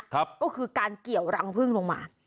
ก็คือการเกี่ยวรังพึ่งลงมา